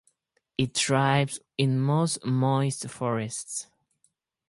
It thrives in most moist forests.